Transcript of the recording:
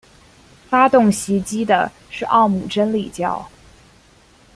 发动袭击的是奥姆真理教。